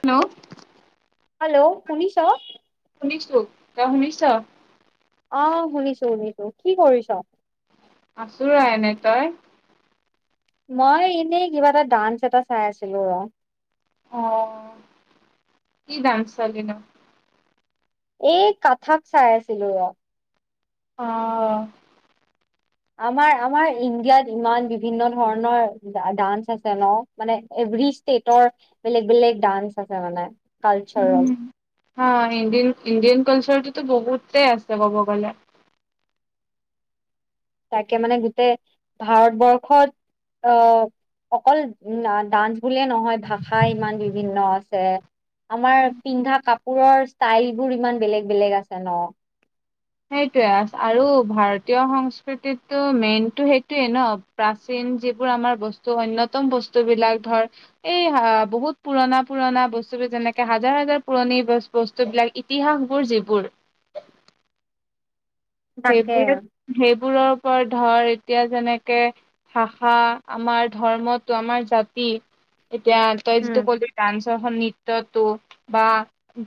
Hello, hello, শুনিচা? শুনিছোঁ তই শুনিছ? অ, শুনিছোঁ-শুনিছোঁ কি কৰিছ? আছো আৰ এনেই তই? মই এনেই কিবা এটা ডান্স এটা চাই আছিলোঁ ৰ। অ',, কি ডান্স চালি নো? এই কাথাক চাই আছিলো ৰ'। অ', আমাৰ-আমাৰ ইণ্ডিয়াত ইমান বিভিন্ন ধৰণৰ ডান্স আছে ন'। মানে এভৰি ষ্টেটৰ বেলেগ -বেলেগ ডান্স আছে মানে কালচাৰেল। উম হা ইণ্ডিয়ন -ইণ্ডিয়ন কালচৰটোতো বহুতে আছে ক'ব গ'লে। তাকে মানে গোটেই ভাৰতবৰ্ষত আ অকল ডান্স বুলিয়ে নহয় ভাষা ইমান বিভিন্ন আছে। আমাৰ পিন্ধা কাপোৰৰ ষ্টাইল বোৰ ইমান বেলেগ- বেলেগ আছে ন '। সেইটোৱে আ আৰু ভাৰতীয় সংস্কৃতিতো মেইনটো সেইটোৱেই ন'। প্ৰাচীন যিবোৰ আমাৰ বস্তু অন্যতম বস্তু বিলাক ধৰ এই হা বহুত পুৰণা -পুৰণা বস্তুটো যেনেকে হাজাৰ- হাজাৰ পুৰণি বচ বস্তুবিলাক ইতিহাসবোৰ যিবোৰ তাকে সেইবোৰ- সেইবোৰৰ ওপৰত ধৰ এতিয়া যেনেকে ভাষা আমাৰ ধৰ্মটো আমাৰ জাতি এতিয়া তই উম যিটো কলি ডান্স অহ নৃত্যটো। বা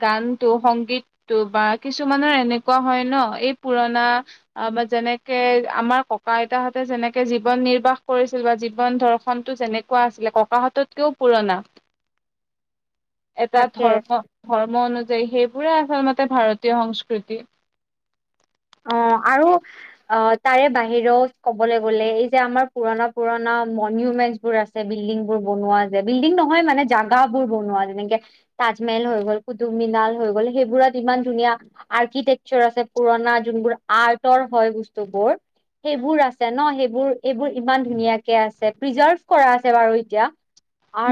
গান টো সংগীতটো বা কিছুমানৰ এনেকুৱা হয় ন' এই পুৰণা অ, বা যেনেকে আমাৰ ককা-আইতাহতে যেনেকে জীৱন নিৰ্বাহ কৰিছিল বা জীৱন দৰ্শনতো যেনে কোৱা আছিলে ককাহঁততকেও পুৰণা। এটা তাকে ধৰ্ম -ধৰ্ম অনুযায়ী সেইবোৰে আচল মতে ভাৰতীয় সংস্কৃতি। অ, আৰু অ, তাৰে বাহিৰেও কবলৈ গ'লে এই যে আমাৰ পুৰণা -পুৰণা মনীয়ুমেন্ত বোৰচ আছে বিল্ডিং বোৰ বনোৱা যে বিল্ডিং নহয় মানে জাগাবোৰ বনোৱা যেনেকে তাজমেহেল হৈ গ'ল কুটুব মীনাৰ হৈ গ'ল সেইবোৰত ইমান ধুনীয়া আৰ্কিটেকচৰ আছে পুৰণা যোনবোৰ আৰ্টৰ হয় বস্তুবোৰ সেইবোৰ আছে ন সেইবোৰ এইবোৰ ইমান ধুনীয়াকে আছে প্ৰিজাৰ্ভ কৰা আছে বাৰু এতিয়া৷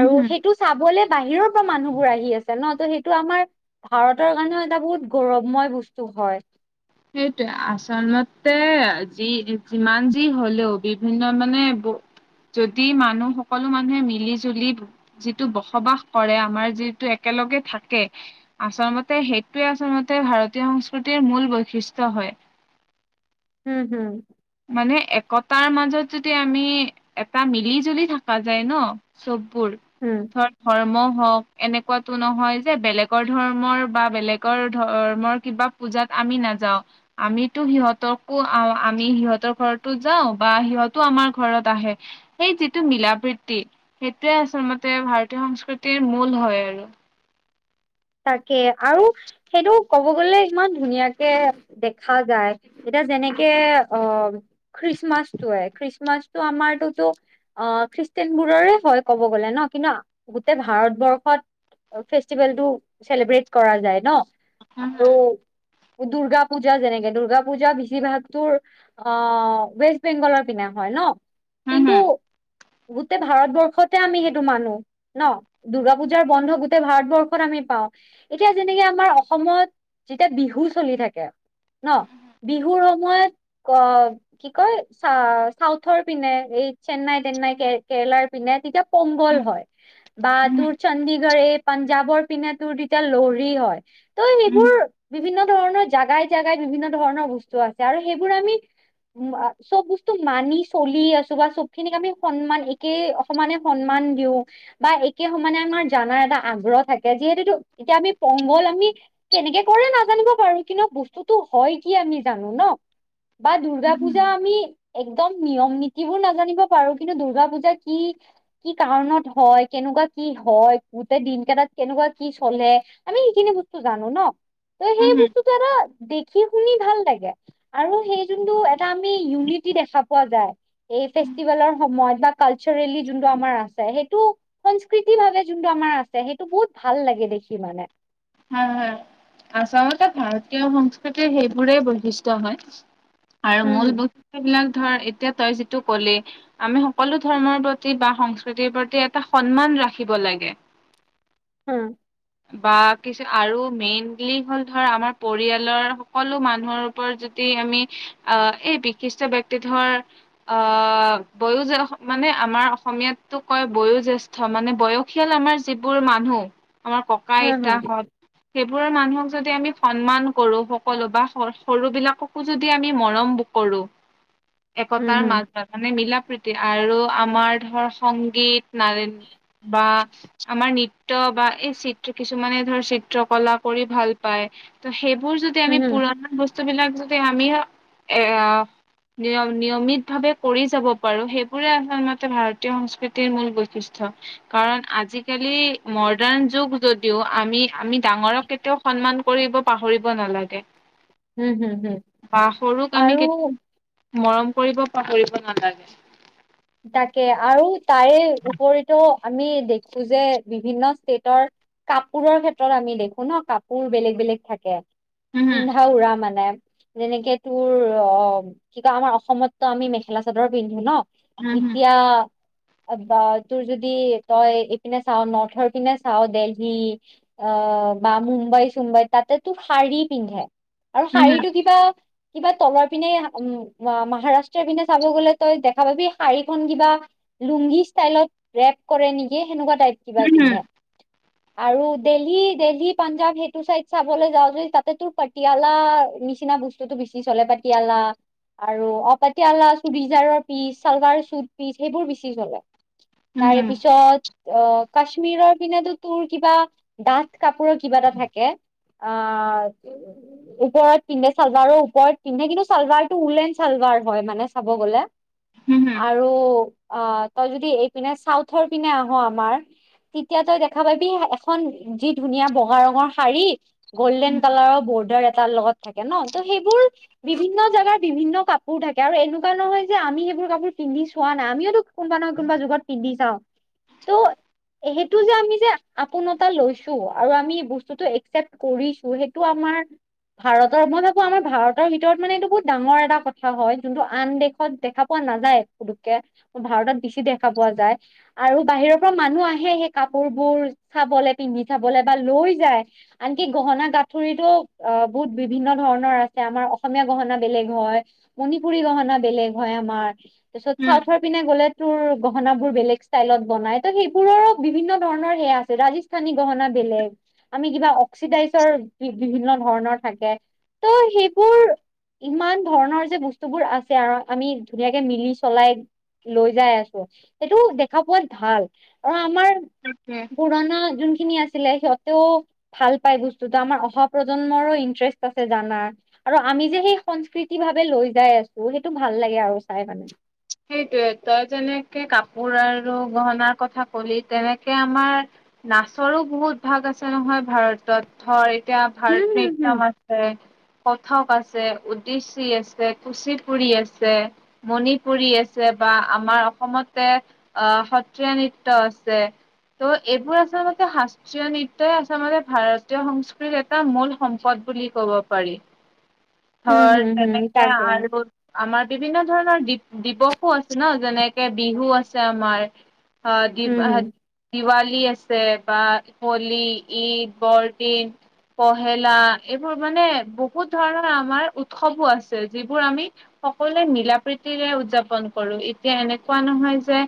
উম হম সেইটো চাবলে বাহিৰৰ পৰা মানুহবোৰ আহি আছে ন ত সেইটো আমাৰ ভাৰতৰ কাৰণেও এটা বহুত গৌৰৱময় বস্তু হয়৷ সেইটোৱে আচলতে যি যিমান যি হলেও বিভিন্ন মানে যদি মানুহ সকলো মানুহে মিলি জুলি যিটো বসবাস কৰে আমাৰ যিটো একেলগে থাকে৷ আচলতে সেইটোৱে আচলতে ভাৰতীয় সংস্কৃতিৰ মূল বৈশিষ্ট্য হয়। উম হুম৷ মানে একতাৰ মাজত যদি আমি এটা মিলি-জুলি থকা যায় ন চববোৰ৷ উম ধৰ্ম হওক এনেকুৱাতো নহয় যে বেলেগৰ ধৰ্মৰ বা বেলেগৰ ধৰ্মৰ কিবা পূজাত আমি নাযাও আমিতো সিহঁতকো আ আমি সিহঁত সিহঁতৰ ঘৰতো যাওঁ বা সিহঁতো আমাৰ ঘৰত আহে৷ সেই যিটো মিলা-প্ৰীতি সেইটোৱে আচলতে ভাৰতীয় সংস্কৃতিৰ মূল হয় আৰু৷ তাকে আৰু সেইটো ক'ব গলে ইমান ধুনীয়াকে দেখা যায়। এতিয়া যেনেকে অ খ্ৰীষ্টমাছটোৱে খ্ৰীষ্টমাছটো আমাৰটোতো অ খ্ৰীষ্টেনবোৰৰে হয় ক'ব গ'লে ন কিন্তু গোটেই ভাৰতবৰ্ষত ফেষ্টিভেলটো চেলিব্ৰেট কৰা যায় ন হম আৰু দুূৰ্গা পূজা যেনেকে দুৰ্গা পূজা বেছিভাগ তোৰ অ ৱেষ্ট বেংগলৰ পিনে হয় ন হম কিন্তু হম গোটেই ভাৰতবৰ্ষতে আমি সেইটো মানো ন৷ দুৰ্গা পূজাৰ বন্ধ গোটেই ভাৰতবৰ্ষত আমি পাওঁ এতিয়া যেনেকে আমাৰ অসমত যেতিয়া বিহু চলি থাকে ন বিহুৰ সময়ত ক কি কয় চা চাউথৰ পিনে এই চেন্নাই-তেন্নাই কে কেৰেলাৰ পিনে তেতিয়া পঙ্গল হয় বা হম তোৰ চণ্ডিগড়ে পাঞ্জাৱৰ পিনে তোৰ তেতিয়া লৰি হয় ত' হম সেইবোৰ বিভিন্ন ধৰণৰ জেগাই-জেগাই বিভিন্ন ধৰণৰ বস্তু আছে আৰু সেইবোৰ আমি চব বস্তু মানি চলি আছো বা চব খিনিক আমি সন্মান একে সমানে সন্মান দিও বা একে সমানে আমাৰ জানাৰ এটা আগ্ৰহ থা কে যিহেতুটো এতিয়া আমি পংগল আমি কেনেকে কৰে নাজানিব পাৰো কিন্তু বস্তুতো হয় কি আমি জানো ন বা দূৰ্গা হম পূজা আমি একদম নিয়ম নীতিবোৰ নাজানিব পাৰো কিন্তু দূৰ্গা পূজা কি কি কাৰণত হয়? কেনেকুৱা কি হয়? গোটেই দিন কেইটাত কেনেকুৱা কি চলে, আমি সেইখিনি বস্তু জানো ন, ত সেই হম হম বস্তুটো এটা দে সি শুনি ভাল লাগে আৰু সেই যোনটো এটা আমি ইউনিটি দেখা পোৱা যায় এই ফেষ্টিভেলৰ সময়ত বা কালচাৰেলি যোনটো আমাৰ আছে, সেইটো সংস্কৃতি ভাৱে যোনটো আমাৰ আছে টো বহুত ভাল লাগে দেখি মানে৷ হা-হা, আচলতে ভাৰতীয় সংস্কৃতিৰ সেইবোৰেই বৈশিষ্ট্য হয়। আৰু হম মূল বস্তুবিলাক ধৰ এতিয়া তই যিটো ক'লি আমি সকলো ধৰ্মৰ প্ৰতি বা সংস্কৃতিৰ প্ৰতি এটা সন্মান ৰাখিব লাগে। হুম। বা কিছু আৰু মেইনলি হ'ল ধৰ আমাৰ পৰিয়ালৰ সকলো মানুহৰ ওপৰত যদি আমি আহ এই বিশিষ্ট ব্যক্তি ধৰ অ বয়োজ মানে আমাৰ অসমীয়াতো কয় বয়োজ্যেষ ধ মানে বয়সীয়াল আমাৰ যিবোৰ মানুহ, আমাৰ হম হম ককা-আইতাহঁত সেইবোৰৰ মানুহক যদি আমি সন্মান কৰো, সকলো বা সৰুবিলাকক যদি আমি মৰম ব কৰো। হম একতাৰ মাজত মানে মিলা প্ৰীতি আৰু আমাৰ ধৰ সংগীত নাৰীৰ বা আমাৰ নৃত্য বা এই- চিত্ৰি কিছুমানে ধৰ চিত্ৰকলা কৰি ভাল পায়, ত সেইবোৰ যদি হম আমি হম হম পুৰণা বস্ত- বস্তুবিলাক যদি আমি এয়া- নিয়ম নিয়মিতভাৱে কৰি যাব পাৰো সেইবোৰে আচলতে ভাৰতীয় সংস্কৃতিৰ মূল বৈশিষ্ট্য। কাৰণ আজিকালি মডাৰ্ণ- যুগ যদিও আমি আমি ডাঙৰক কেতিয়াও সন্মান কৰিব পাহৰিব নালাগে। হম হম হম বা সৰুক আমি আৰু কেত- মৰম কৰিব পাহৰিব নালাগে। তাকে আৰু তাৰেও উপৰিতো আমি দেখো যে বিভিন্ন ষ্টেটৰ কাপোৰৰ ক্ষেত্ৰত আমি দেখো ন কাপোৰ বেলেগ বেলেগ থাকে। হম হম পিন্ধা উৰা মানে। যেনেকে তোৰ অ কি কয় আমাৰ অসমতো আমি মেখেলা চাদৰ পিন্ধো ন? ইতিয়া বা তোৰ যদি তই এইপিনে চাও নৰ্থৰ পিনে চাও দেলহি অ বা মুম্বাই চুম্বাই তাতে তোৰ শাৰী পিন্ধে আৰু শাৰীটো কিবা কিবা তলৰ পিনেই উম মহাৰাষ্ট্ৰৰ পিনে চাব গ'লে তই দেখা পাবি শাৰীখন কিবা লুংগী ষ্টাইলত ৰেপ কৰে নেকি সেনেকুৱা টাইপ কিবা পিন্ধে। আৰু দেলহি দেলহি পাঞ্জাব সেইটো চাইদ চাবলৈ যাওঁ যদি তাতে তো পাটিয়ালা নিচিনা বস্ত- টোতো বেছি চলে পাতিয়ালা আৰু অপাতিয়ালা চুৰিজাৰৰ পিচ চালবাৰ চুট পিছ সেইবোৰ বেছি চলে তাৰে পিছত অ কাশ্মীৰৰ পিনাতো তোৰ কিবা ডাঠ কাপোৰৰ কিবা এটা থাকে। আ [unintelligible] ওপৰত পিন্ধে চালভাৰৰ ওপৰত পিন্ধে কিন্তু চালভাৰ টো উলেন চালভাৰ হয় মানে চাব গলে? আৰু অ তই যদি এইপিনে চাউথৰ পিনে আহ আমাৰ তেতিয়া তই দেখা পাবি এখন যি ধুনীয়া বগা ৰঙৰ শাৰী। গ'ল্ডেন কালাৰৰ বৰ্ডাৰ এটাৰ লগত থাকে ন, ত সেইবোৰ বিভিন্ন জাগাৰ বিভিন্ন কাপোৰ থাকে আৰু এনেকুৱা নহয় যে আমি সেইবোৰ কাপোৰ পিন্ধি চোৱা নাই আমিওতো কোনোবা নহয় কোনোবা যুগত পিন্ধি চাও ত সেইটো যে আমি যে আপোন এটা লৈছো আৰু আমি বস্তুটো একচেপ্ট কৰিছো সে- টো আমাৰ ভাৰতৰ মই ভাবো আমাৰ ভাৰতৰ ভিতৰত মানে এইটো বহুত ডাঙৰ এটা কথা হয় যোনটো আন দেশত দেখা পোৱা নাযায় পোতোককে ভাৰতত বেছি দেখা পোৱা যায়। আৰু বাহিৰৰ পৰা মানুহ আহে সেই কাপোৰ বোৰ চাবলে পিন্ধি চাবলে বা লৈ যায়। আনকি গহনা গাঁঠৰিটো অ বহুত বিভিন্ন ধৰণৰ আছে, আমাৰ অসমীয়া গহনা বেলেগ হয়। মণিপুৰি গহনা বেলেগ হয় আমাৰ, তাৰপিছত চাউথৰ পিনে গ'লে তোৰ গহনা বোৰ বেলেগ ষ্টাইলত বনাই ত সেইবোৰৰ বিভিন্ন ধৰণৰ সেয়া আছে। ৰাজিছ- ছনী গহনা বেলেগ, আমি কিবা অক্সিডাইজৰ বিভিন্ন ধৰণৰ থাকে। ত সেইবোৰ ইমান ধৰণৰ যে বস্তুবোৰ আছে আৰু আমি ধুনীয়াকে মিলি চলাই লৈ যাই আছোঁ সেইটো দেখা পোৱাত ভাল আৰু আমাৰ তাকে পুৰণা যোনখিনি আছিলে সিহঁতেও ভাল পাই বস্তুতো আমাৰ অহা প্ৰজন্মৰো ইন্টাৰেষ্ট আছে জানা আৰু আমি যে সেই সংস্কৃতি ভাৱে লৈ যাই আছোঁ সেইটো ভাল লাগে আৰু চাই মানে সেইটোৱে তই যেনেকে কাপোৰ আৰু গহনাৰ কথা কলি তেনেকে আমাৰ নাচৰো বহুত ভাগ আছে নহয় ভাৰতত ধৰ এতিয়া উম, ভাৰত হুম, নৃত্যম হুম। আছে, কথক আছে, উদ্দেশি আছে, কুচিপুৰি আছে, মনি পুৰী আছে বা আমাৰ অসমতে আহ সত্ৰীয়া নৃত্য আছে তো এইবোৰ আচলতে সা সত্ৰীয়া নৃত্যই আচলতে মানে ভাৰতীয় সংস্কৃতিৰ এটা মূল সম্পদ বুলি কব পাৰি উম, হয় হুম, হুম, তেনেকে তাকে আৰু আমাৰ বিভিন্ন ধৰণৰ দি দিৱসো আছে ন যেনেকে বিহু আছে আমাৰ আহ উম, হুম। দিপ দিৱালী আছে বা হলী, ঈদ, বৰদিন পহেলা এইবোৰ মানে বহুত ধৰণৰ আমাৰ উৎসৱো আছে যিবোৰ আমি সকলোৱে মিলা প্ৰীতিৰে উদযাপন কৰোঁ এতিয়া এনেকুৱা নহয় যে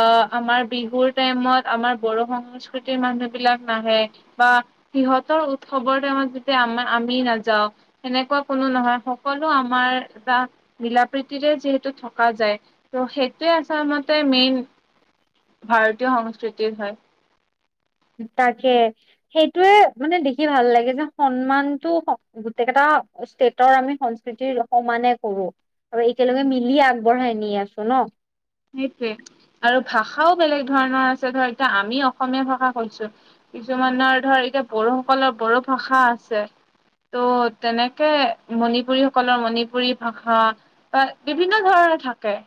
আহ আমাৰ বিহুৰ টাইমত আমাৰ বড়ো সংস্কৃতিৰ মানুহ বিলাক নাহে বা সিহঁতৰ উৎসৱৰ টাইমত যেতিয়া আমাৰ আমি নাযাওঁ সেনেকুৱা কোনো নহয় সকলো আমাৰ যা মিলা প্ৰীতিৰে যিহে তু থকা যায় ত' সেইটোৱে আচলতে মেইন ভাৰতীয় সংস্কৃতিৰ হয় তাকে সেইটোৱেই মানে দেখি ভাল লাগে যে সন্মানটো গোটেই কেইটা ষ্টেটৰ আমি সংস্কৃতি সমানে কৰোঁ আৰু একেলগে মিলি আগবঢ়াই নি আছোঁ ন সেইটোৱে আৰু ভাষাও বেলেগ ধৰণৰ আছে ধৰ এতিয়া আমি অসমীয়া ভাষা কৈছো কিছুমানৰ ধৰ এতিয়া বড়োসকলৰ বড়ো ভাষা আছে ত' তেনেকে মণিপুৰী সকলৰ মণিপুৰী ভাষা বিভিন্ন ধৰণৰ থাকে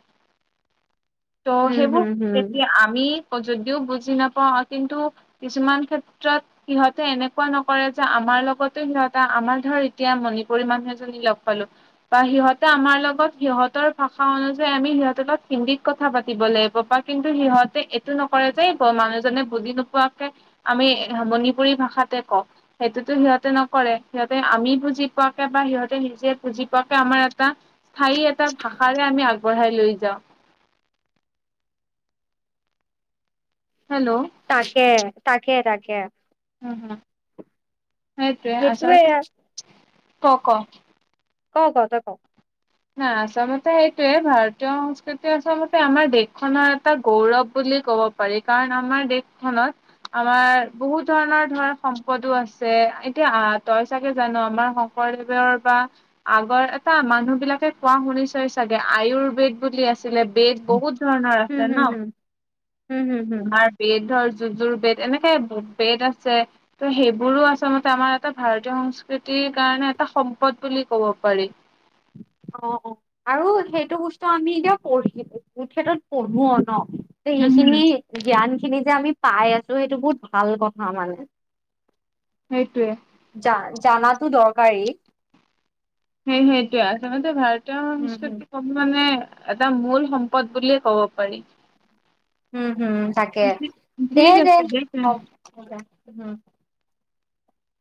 ত' উম সেইবোৰ হুম হুম তেতিয়া আমি যদিও বুজি নাপাওঁ কিন্তু কিছুমান ক্ষেত্ৰত সিহঁতে এনেকুৱা নকৰে যে আমাৰ লগতো সিহঁত আমাৰ ধৰ এতিয়া মণিপুৰী মানুহ এজনী লগ পালো বা সিহঁতে আমাৰ লগত সিহঁতৰ ভাষা অনুযায়ী আমি সিহঁতৰ লগত হিন্দীত কথা পাতিব লাগিব বা কিন্তু সিহঁতে এইটো নকৰে যে মানুহজনে বুজি নোপোৱাকে আমি মণিপুৰী ভাষাতে কওঁ সেইটোতো সিহঁতে নকৰে সিহঁতে আমি বুজি পোৱাকে বা সিহঁতে নিজে বুজি পোৱাকে আমাৰ এটা স্থায়ী এটা ভাষাৰে আমি আগবঢ়াই লৈ যাওঁ হেল্ল' তাকে তাকে তাকে এইটোৱে আচ্ছা, সেইটোয়ে ক ক ক ক তই ক না আচামতে সেইটোয়ে ভাৰতীয় সংস্কৃতি আচলতে আমাৰ দেশখনৰ এটা গৌৰৱ বুলি ক'ব পাৰি কাৰণ আমাৰ দেশখনত আমাৰ বহুত ধৰণৰ ধৰ সম্পদো আছে এতিয়া তই চাগে জানো আমাৰ শং শংকৰদেৱৰ বা আগৰ এটা মানুহ বিলাক কোৱা শুনিছই চাগে আয়ুৰ্বেদ বুলি আছিলে বেদ বহুত ধৰণৰ উম আছে হুম ন হুম হুম হুম আমাৰ বেদ ধৰ যুজোৰ বেত এনেকে বেদ আছে ত' সেইবোৰো আচলতে আমাৰ এটা ভাৰতীয় সংস্কৃতিৰ কাৰণে এটা সম্পদ বুলি কব পাৰি অ আৰু সেইটো বস্তু আমি এতিয়া পঢ়িলো, এই ক্ষেতত পঢ়ো ন উম হম সেইখিনি জ্ঞান খিনি যে আমি পাই আছো সেইটো বহুত ভাল কথা মানে সেইটোৱে জা জানাতো দৰকাৰী সেই সেইটোৱে আচলতে ভাৰতীয় উম হুম সংস্কৃতি মানে এটা মূল সম্পদ বুলিয়ে ক'ব পাৰি। উম হম তাকে দে ঠিক দে আছে তে হব [unintelligible]